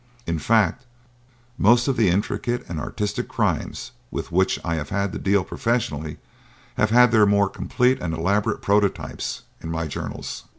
In fact, most of the intricate and artistic crimes with which I have had to deal professionally have had their more complete and elaborate prototypes in my journals."